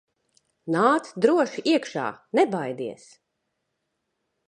Nāc droši iekšā, nebaidies!